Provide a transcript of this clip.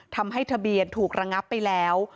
ทำให้ทะเบียนถูกระงับไปแล้ว